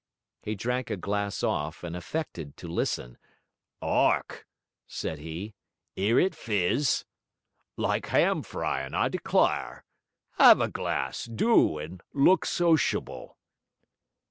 He drank a glass off, and affected to listen. ''Ark!' said he, ''ear it fizz. Like 'am fryin', I declyre. 'Ave a glass, do, and look sociable.'